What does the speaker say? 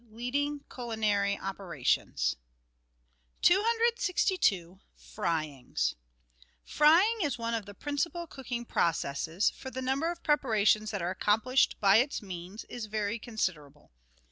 LEADING CULINARY OPERATIONS 123 262— FRYINGS Frying is one of the principal cooking processes, for the number of preparations that are accomplished by its means is very considerable.